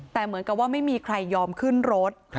แต่เหมือนกับว่าไม่มีใครยอมขึ้นรถ